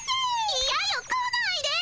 いやよ来ないで。